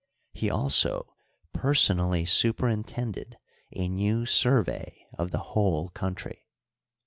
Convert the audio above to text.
He also per sonally superintended a new survey of the whole country.